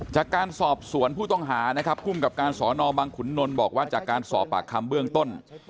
จากการสอบสวนผู้ต้องหานะครับภูมิกับการสอนอบังขุนนลบอกว่าจากการสอบปากคำเบื้องต้น